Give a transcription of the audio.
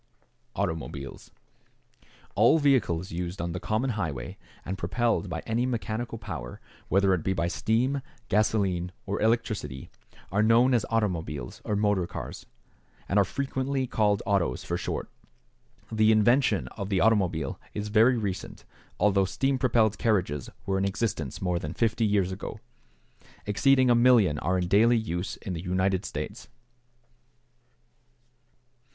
=Automobiles.= All vehicles used on the common highway, and propelled by any mechanical power, whether it be by steam, gasoline, or electricity, are known as automobiles or motor cars, and are frequently called "autos" for short. The invention of the automobile is very recent, although steam propelled carriages were in existence more than 50 years ago. Exceeding a million are in daily use in the United States.